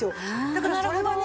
だからそれはね